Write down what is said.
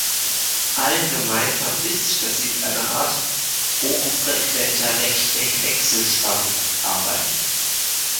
Allen gemeinsam ist, dass sie mit einer Art "hochfrequenter Rechteck-Wechselspannung" arbeiten.